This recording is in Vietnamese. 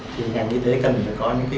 thì ngành y tế cần phải có những cái